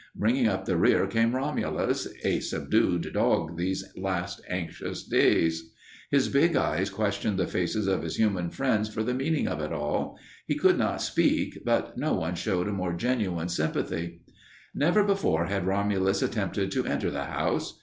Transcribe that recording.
Bringing up the rear came Romulus, a subdued dog these last anxious days. His big eyes questioned the faces of his human friends for the meaning of it all. He could not speak, but no one showed a more genuine sympathy. Never before had Romulus attempted to enter the house.